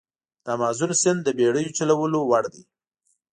د امازون سیند د بېړیو چلولو وړ دی.